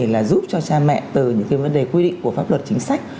là giúp cho cha mẹ từ những cái vấn đề quy định của pháp luật chính sách